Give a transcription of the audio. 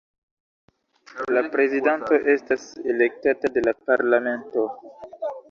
La prezidanto estas elektata de la parlamento.